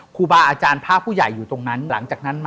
ครูบาอาจารย์พระผู้ใหญ่อยู่ตรงนั้น